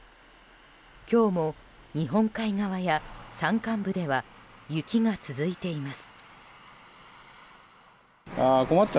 今日も日本海側や山間部では雪が続いています。